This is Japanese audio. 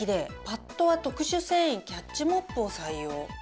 パッドは特殊繊維キャッチモップを採用。